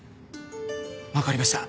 わかりました。